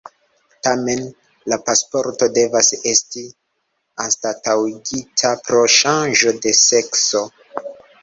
Tamen la pasporto devas esti anstataŭigita pro ŝanĝo de sekso.